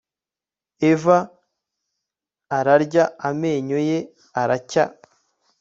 Eva ararya amenyo ye aracya